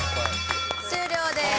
終了です。